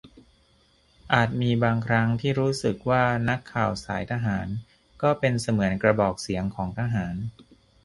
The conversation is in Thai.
อาจมีบางครั้งที่รู้สึกว่านักข่าวสายทหารก็เป็นเสมือนกระบอกเสียงของทหาร